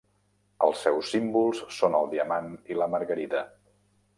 Els seus símbols són el diamant i la margarida.